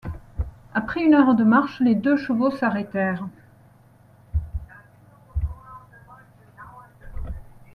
Après une heure de marche, les deux chevaux s’arrêtèrent.